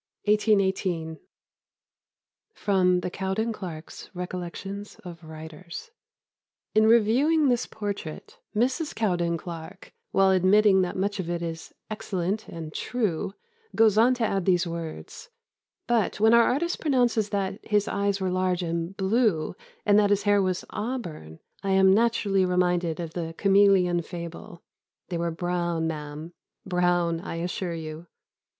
1818. [Sidenote: The Cowden Clarkes' Recollections of Writers.] In reviewing this portrait, Mrs. Cowden Clarke, while admitting that much of it is "excellent" and "true," goes on to add these words: "But when our artist pronounces that 'his eyes were large and blue,' and that 'his hair was auburn,' I am naturally reminded of the 'Chameleon' fable 'they were brown, ma'am brown, I assure you!